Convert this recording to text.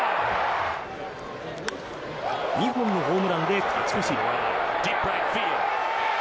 ２本のホームランで勝ち越し。